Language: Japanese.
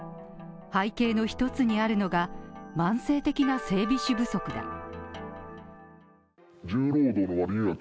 背景の一つにあるのが、慢性的な整備士不足だ。